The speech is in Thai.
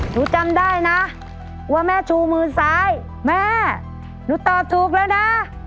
หนูจำได้นะว่าแม่ชูมือซ้ายแม่หนูตอบถูกแล้วนะ